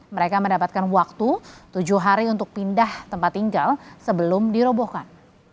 mereka mendapatkan waktu tujuh hari untuk pindah tempat tinggal sebelum dirobohkan